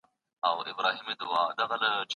د خلګو د پیرودلو توان باید لوړ سي.